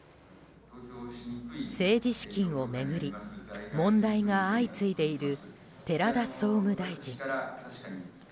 政治資金を巡り問題が相次いでいる寺田総務大臣。